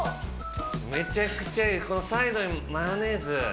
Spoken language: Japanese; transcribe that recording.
めちゃくちゃいいこのサイドにマヨネーズ。